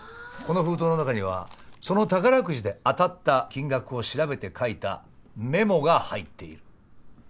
この封筒の中にはその宝くじで当たった金額を調べて書いたメモが入っている。